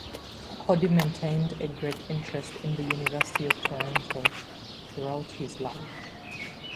Cody maintained a great interest in the University of Toronto throughout his life.